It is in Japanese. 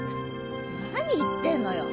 何言ってんのよ？